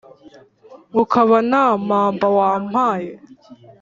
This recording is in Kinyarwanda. Ukaba nta mpamba wampaye